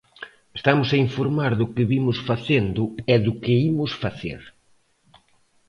Estamos a informar do que vimos facendo e do que imos facer.